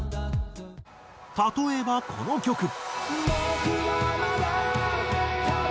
例えばこの曲。